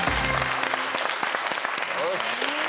よし！